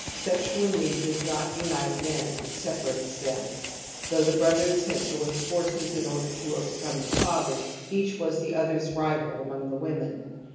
(Sexual need does not unite men ; it separates them. Though the brothers had joined forces in order to over come the father, each was the other's rival among the women.